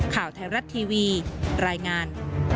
ข่าวไทยรัฐทีวีรายงาน